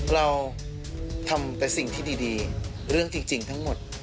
เราทำแต่สิ่งที่ดีเรื่องจริงทั้งหมด